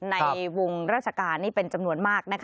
ในวงราชการนี่เป็นจำนวนมาก